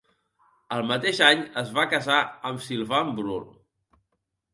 El mateix any es va casar amb Sylvain Brault.